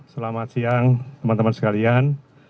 selamat siang teman teman sekalian